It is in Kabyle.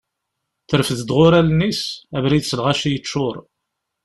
Terfed-d ɣur-i allen-is, abrid s lɣaci yeččur.